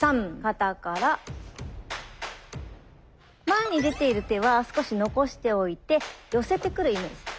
前に出ている手は少し残しておいて寄せてくるイメージ。